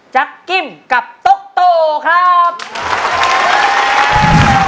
จั๊กกิ้มกับโต๊ะโตครับ